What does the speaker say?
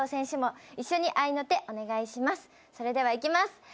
それではいきます。